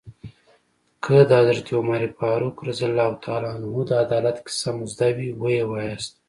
که د حضرت عمر فاروق رض د عدالت کیسه مو زده وي ويې وایاست.